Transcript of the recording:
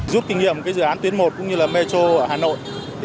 giúp kinh nghiệm dự án tuyến một cũng như metro ở hà nội